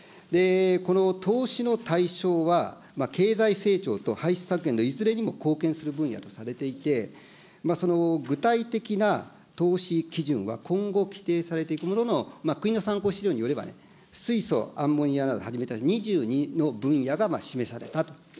この投資の対象は、経済成長と排出削減のいずれにも貢献する分野とされていて、具体的な投資基準は、今後規定されていくものの、国の参考資料によればね、水素、アンモニアをはじめとした２２の分野が示されたと。